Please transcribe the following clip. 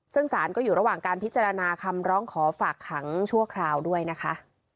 ซึ่งสารก็อยู่ระหว่างการพิจารณาคำร้องขอฝากขังชั่วคราวด้วยนะคะ